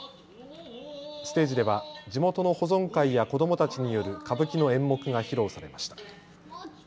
ステージでは地元の保存会や子どもたちによる歌舞伎の演目が披露されました。